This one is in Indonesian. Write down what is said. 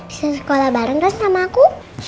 bisa sekolah bareng kan sama aku